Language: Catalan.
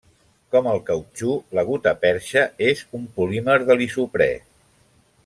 Com el cautxú, la gutaperxa és un polímer de l'isoprè.